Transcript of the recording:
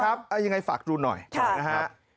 ยังไงฝากดูหน่อยนะฮะ